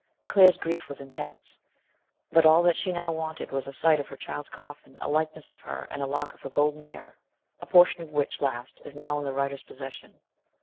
Claire's grief was intense ; but all that she now wanted was a sight of her child's coffin, a likeness of her, and a lock of her golden hair (a portion of which last is now in the writer's possession).